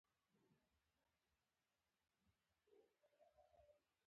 د پراخ استعمال په وجه غورځنګ په توګه پېژندل کېږي.